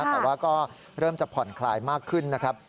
แต่ว่าก็เริ่มจะผ่อนคลายมากขึ้นนะครับ